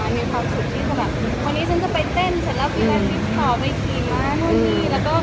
ตอนนี้ก็ต่างคนมาค่ะและถ่ายก็ถ่ายเชียร์รายต่างคนก็เจอกัน